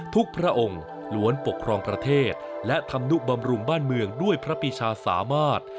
พระองค์ล้วนปกครองประเทศและธรรมนุบำรุงบ้านเมืองด้วยพระปีชาสามารถ